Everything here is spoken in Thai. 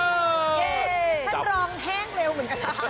เย้ท่านรองแห้งเร็วเหมือนกัน